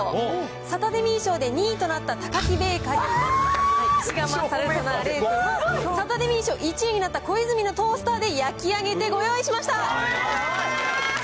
サタデミー賞で２位となったタカキベーカリー、石窯サルタナレーズンをサタデミー賞１位になったコイズミのトースターで焼き上げてご用意しました。